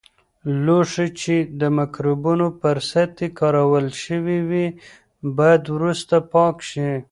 لوښي چې د مکروبونو پر سطحې کارول شوي وي، باید وروسته پاک شي.